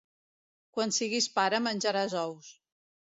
Quan siguis pare, menjaràs ous.